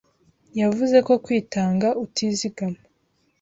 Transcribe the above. yavuze ko kwitanga utizagama